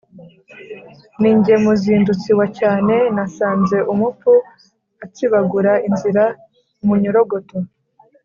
Ni jye muzindutsi wa cyane nasanze umupfu atsibagura inzira.-Umunyorogoto.